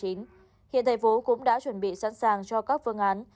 hiện thành phố cũng đã chuẩn bị sẵn sàng cho các phương án